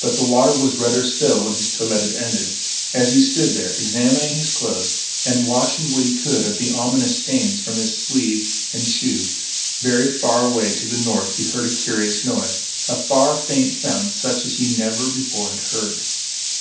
But the water was redder still when his toilet ended. As he stood there, examining his clothing, and washing what he could of the ominous stains from sleeve and shoe, very far away to the north he heard a curious noise a far, faint sound such as he never before had heard.